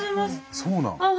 そうなん？